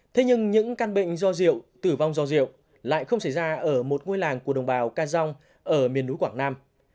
thế nhưng những căn bệnh do diệu tử vong do diệu lại không xảy ra ở một ngôi làng của đồng bào ca rong ở miền núi quảng nam